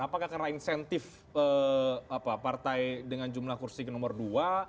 apakah karena insentif partai dengan jumlah kursi ke nomor dua